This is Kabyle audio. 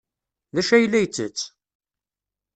D acu ay la yettett?